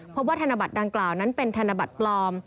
พบว่าธนบัตรดังกล่าวนั้นเป็นธนบัตรปลอม